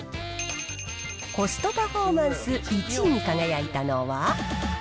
コストパフォーマンス１位に輝いたのは。